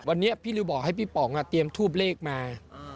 วันนี้พี่ริวบอกให้พี่ป๋องเตรียมทูบเลขมา